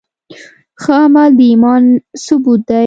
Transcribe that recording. ښه عمل د ایمان ثبوت دی.